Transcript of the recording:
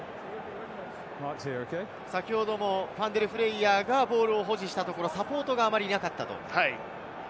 先ほどもファンデルフレイヤーがボール保持したところ、サポートがあまりありませんでした。